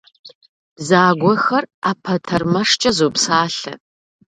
Бзагуэхэр ӏэпэтэрмэшкӏэ зопсалъэ.